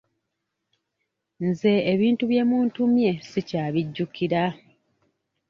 Nze ebintu bye muntumye sikyabijjukira.